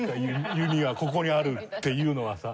弓はここにあるっていうのはさ。